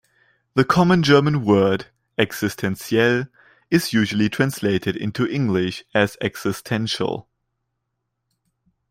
The common German word "existenziell" is usually translated into English as "existential".